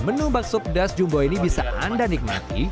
menu bakso pedas jumbo ini bisa anda nikmati